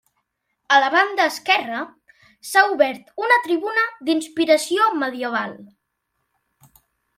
A la banda esquerra s'ha obert una tribuna d'inspiració medieval.